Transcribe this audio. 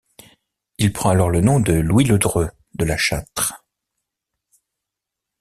Il prend alors le nom de Louis Ledreux de La Châtre.